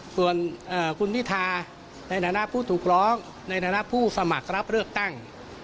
ส่วนคุณพิธาในฐานะผู้ถูกร้องในฐานะผู้สมัครรับเลือกตั้ง